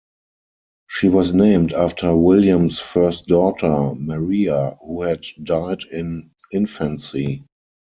She was named after William's first daughter, Maria, who had died in infancy.